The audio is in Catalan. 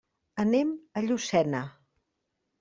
Anem a Llucena.